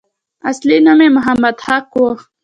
اصل نوم یې محمد حق وو.